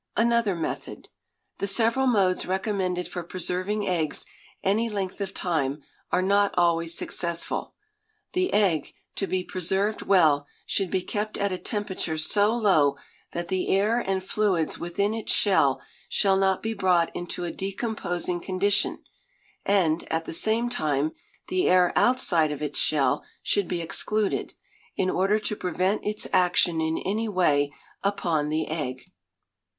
Another Method. The several modes recommended for preserving eggs any length of time are not always successful. The egg, to be preserved well, should be kept at a temperature so low that the air and fluids within its shell shall not be brought into a decomposing condition; and, at the same time, the air outside of its shell should be excluded, in order to prevent its action in any way upon the egg.